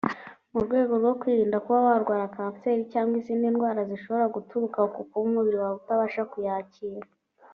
mu rwego rwo kwirinda kuba warwara kanseri cyangwa izindi ndwara zishobora guturuka ku kuba umubiri wawe utabasha kuyakira